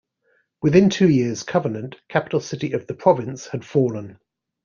Within two years, Covenant, capital city of The Province, had fallen.